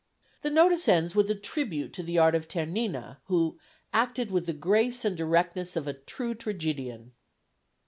The notice ends with a tribute to the art of Ternina, who "acted with the grace and directness of a true tragedian."